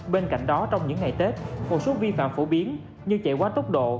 bên cạnh đó trong những ngày tết một số vi phạm phổ biến như chạy quá tốc độ